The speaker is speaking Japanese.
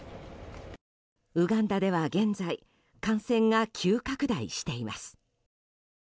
ウガンダでは現在感染が急拡大しています。